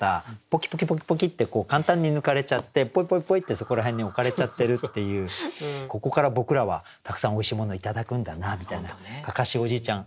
ぽきぽきぽきぽきって簡単に抜かれちゃってぽいぽいぽいってそこら辺に置かれちゃってるっていうここから僕らはたくさんおいしいものを頂くんだなみたいな「案山子おじいちゃん